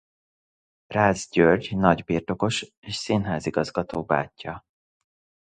Rácz György nagybirtokos és színházigazgató bátyja.